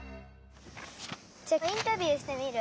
インタビューしてみる？